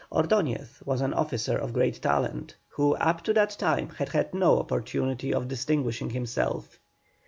Ordoñez was an officer of great talent, who up to that time had had no opportunity of distinguishing himself.